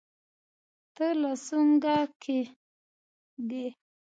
ته لا سونګه ږې.